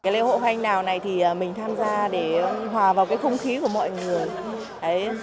lễ hội hoa anh đào này thì mình tham gia để hòa vào cái không khí của mọi người